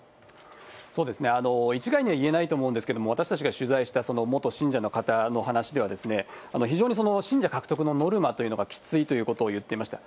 一概には言えないと思うんですけれども、私たちが取材した元信者の方のお話では、非常に信者獲得のノルマというのがきついということを言っていました。